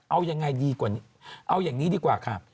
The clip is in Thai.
เอายังไงดีกว่านี้เอาอย่างนี้ดีกว่าค่ะ